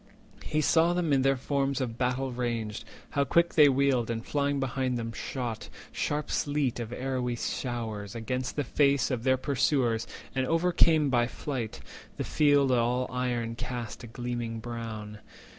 He saw them in their forms of battle ranged, How quick they wheeled, and flying behind them shot Sharp sleet of arrowy showers against the face Of their pursuers, and overcame by flight; The field all iron cast a gleaming brown.